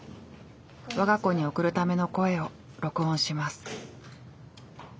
わが子に送るための声を録音します。